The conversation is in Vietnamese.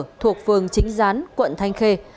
thuận thuộc phường chính gián quận thanh khê